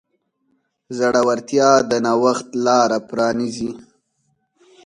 زړورتیا د نوښت لاره پرانیزي.